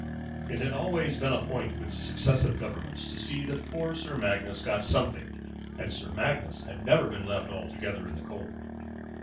It had always been a point with successive governments to see that poor Sir Magnus got something, and Sir Magnus had never been left altogether in the cold.